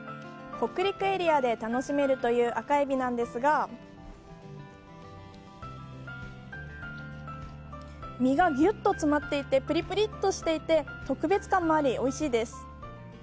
北陸エリアで楽しめるというアカエビなんですが身がぎゅっと詰まっていてぷりぷりとしていて特別感もあり、おいしいです。